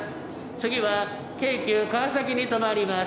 次は京急川崎に止まります」。